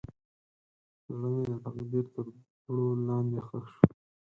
زړه مې د تقدیر تر دوړو لاندې ښخ شو.